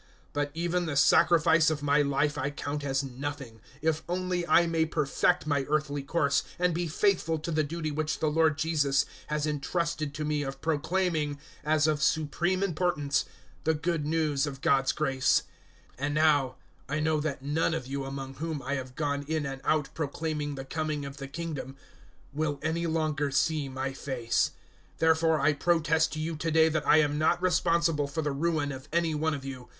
020:024 But even the sacrifice of my life I count as nothing, if only I may perfect my earthly course, and be faithful to the duty which the Lord Jesus has entrusted to me of proclaiming, as of supreme importance, the Good News of God's grace. 020:025 "And now, I know that none of you among whom I have gone in and out proclaiming the coming of the Kingdom will any longer see my face. 020:026 Therefore I protest to you to day that I am not responsible for the ruin of any one of you.